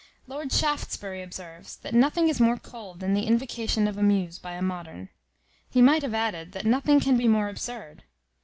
Lord Shaftesbury observes, that nothing is more cold than the invocation of a muse by a modern; he might have added, that nothing can be more absurd.